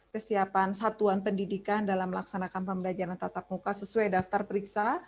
kesiapan satuan pendidikan dalam melaksanakan pembelajaran tatap muka sesuai daftar periksa